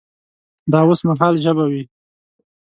د اوس مهال ژبه وي